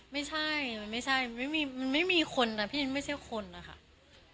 ไม่ใช่มันไม่ใช่มันไม่มีมันไม่มีคนอะพี่นี่ไม่ใช่คนอะค่ะไม่ใช่คนแล้วมันคืออะไร